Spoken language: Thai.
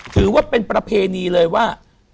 ถือว่าเป็นประเพณีเลยว่า